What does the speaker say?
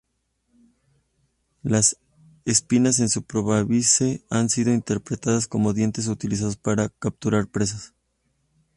Las espinas en su probóscide han sido interpretadas como dientes utilizados para capturar presas.